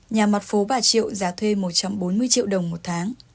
nhà mặt phố bà triệu giá thuê một trăm bốn mươi triệu đồng một tháng